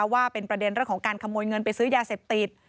ว่าเป็นประเด็นเรื่องของการขโมยเงินไปซื้อยาเสพติด